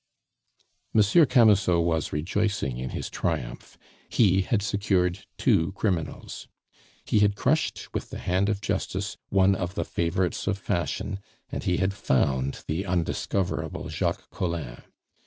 Monsieur Camusot was rejoicing in his triumph; he had secured two criminals. He had crushed with the hand of justice one of the favorites of fashion, and he had found the undiscoverable Jacques Collin.